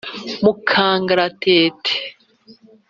Mu kangaratete